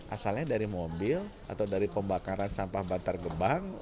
asalnya dari mobil atau dari pembakaran sampah bantar gebang